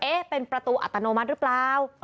เป็นประตูอัตโนมัติหรือเปล่า